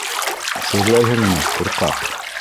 - Шөрләйһеңме, ҡурҡаҡ?